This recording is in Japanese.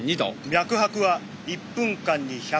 脈拍は１分間に１０７。